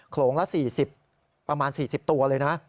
โลงละประมาณ๔๐ตัวเลยนะ